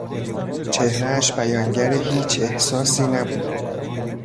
چهرهاش بیانگر هیچ احساسی نبود.